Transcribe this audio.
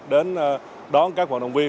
đến đón các vận động viên